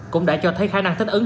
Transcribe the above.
cũng đã cho thấy khả năng thích ứng